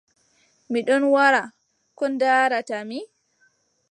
Mi ɗon wara ko ndaarataa mi ?